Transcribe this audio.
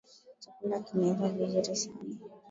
Chakula kimeiva vizuri sana